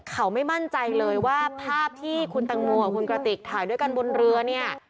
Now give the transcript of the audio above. เขาไม่มั่นใจเลยว่าภาพที่คุณตังโมกับคุณกระติกถ่ายด้วยกันบนเรือเนี่ย